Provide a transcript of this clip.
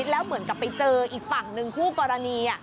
แล้วเหมือนกับไปเจออีกฝั่งหนึ่งคู่กรณี